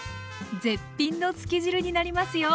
絶品のつけ汁になりますよ。